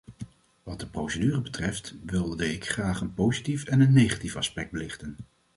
Wat de procedure betreft wilde ik graag een positief en een negatief aspect belichten.